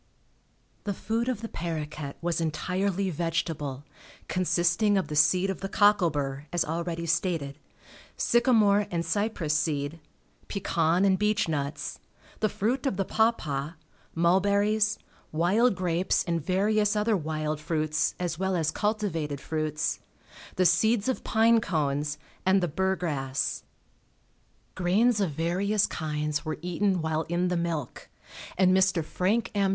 The food of the paroquet was entirely vegetable, consisting of the seed of the cockle bur, as already stated, sycamore and cypress seed, pecan and beech nuts, the fruit of the pawpaw, mulberries, wild grapes and various other wild fruits as well as cultivated fruits, the seeds of pine cones and the burgrass. Grains of various kinds were eaten while in the milk, and Mr. Frank M.